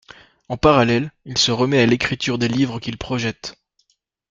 En parallèle, il se remet à l'écriture des livres qu'il projette.